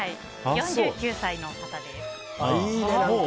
４９歳の方です。